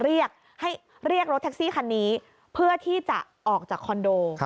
เรียกให้เรียกรถแท็กซี่คันนี้เพื่อที่จะออกจากคอนโด